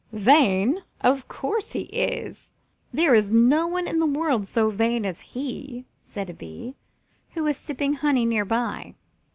"Vain! Of course he is. There is no one in the world so vain as he," said a Bee, who was sipping honey near by.